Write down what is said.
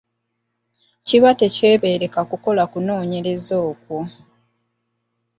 Kiba tekyebeereka kukola kunooyereza okwo.